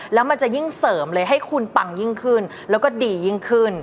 แล้วมันจะยิ่งเสริมเลยให้คุณปังยิ่งขึ้นแล้วก็ดียิ่งขึ้น